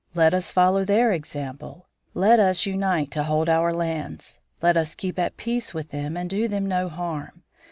Let us follow their example. Let us unite to hold our lands. Let us keep at peace with them and do them no harm.